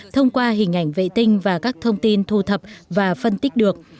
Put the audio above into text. thông qua hình ảnh vệ tinh và các thông tin thu thập và phân tích được